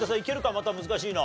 また難しいの。